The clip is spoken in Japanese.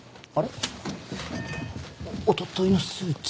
おとといの数値。